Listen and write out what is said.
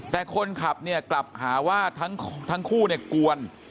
แต่คนขับกลับหาว่าทั้งคู่กวน